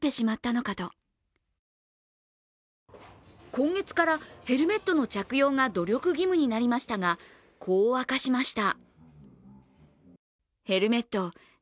今月からヘルメットの着用が努力義務になりましたがこう明かしました。